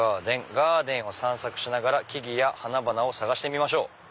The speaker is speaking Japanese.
ガーデンを散策しながら木々や花々を探してみましょう」。